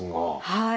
はい。